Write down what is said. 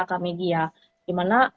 kak megi ya dimana